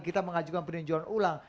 kita mengajukan peninjauan ulang